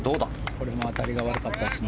これも当たりが悪かったですね。